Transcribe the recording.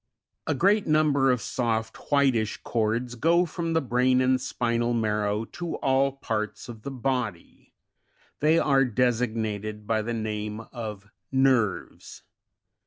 18. A great number of soft whitish cords go from the brain and spinal marrow to all parts of the body ; they are designated by the name of nerves, (Fig.